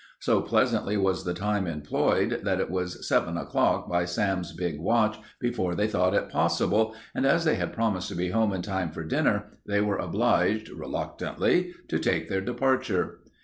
So pleasantly was the time employed that it was eleven o'clock by Sam's big watch before they thought it possible, and as they had promised to be home in time for dinner, they were obliged, reluctantly, to take their departure.